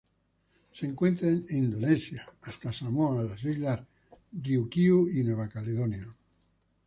Se encuentran en Indonesia hasta Samoa las Islas Ryukyu y Nueva Caledonia.